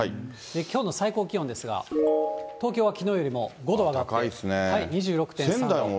きょうの最高気温ですが、東京はきのうよりも５度上がって２６．３度。